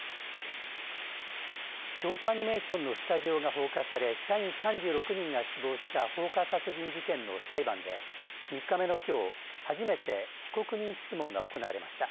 京都アニメーションのスタジオが放火され社員３６人が死亡した放火殺人事件の裁判で３日目のきょう、初めて被告人質問が行われました。